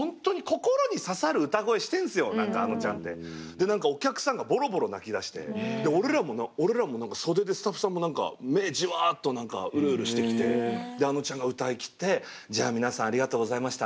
で何かお客さんがボロボロ泣きだして俺らも何か袖でスタッフさんも何か目じわっとウルウルしてきてであのちゃんが歌いきって「じゃあ皆さんありがとうございました。